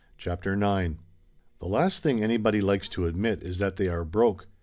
CHAPTER IX / ~T" V HE last thing anybody likes to admit is that they " are broke.